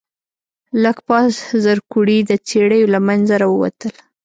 لږ پاس زرکوړي د څېړيو له منځه راووتل.